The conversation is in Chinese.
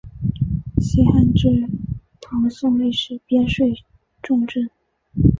西汉至唐宋亦是边睡重镇。